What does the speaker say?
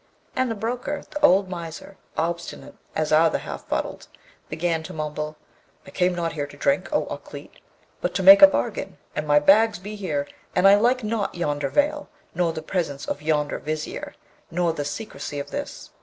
And the broker, the old miser, obstinate as are the half fuddled, began to mumble, 'I came not here to drink, O Ukleet, but to make a bargain; and my bags be here, and I like not yonder veil, nor the presence of yonder Vizier, nor the secresy of this.